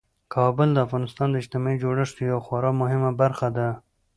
کابل د افغانستان د اجتماعي جوړښت یوه خورا مهمه برخه ده.